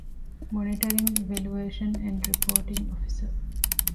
މޮނިޓަރިންގ، އިވެލުއޭޝަން އެންޑް ރިޕޯޓިންގ އޮފިސަރ